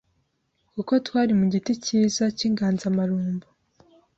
kuko twari mu giti cyiza cy’inganzamarumbo